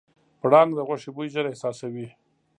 پړانګ د غوښې بوی ژر احساسوي.